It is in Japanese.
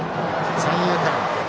三遊間。